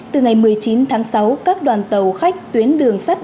tại các vùng trên nước